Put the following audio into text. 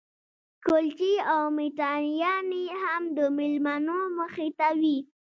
کلچې او میټایانې هم د مېلمنو مخې ته وې.